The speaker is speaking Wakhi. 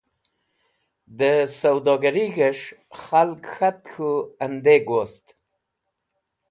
Dẽ sẽwdogarig̃hẽs̃h khalg k̃hat k̃hũ ẽndeg wost.